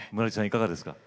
いかがですか？